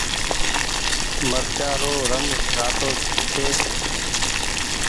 مرچآ رو رنگ رآتو ڇي۔